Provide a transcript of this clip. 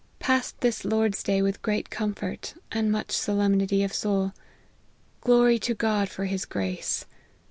Passed this Lord's day with great comfort, and much solemnity of soul. Glory to God for his grace